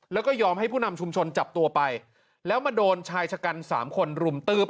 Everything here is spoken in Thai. แล้วก็ยอมให้ผู้นำชุมชนจับตัวไปแล้วมาโดนชายชะกันสามคนรุมตืบ